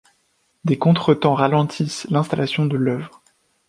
Des contretemps ralentissent l’installation de l’œuvre.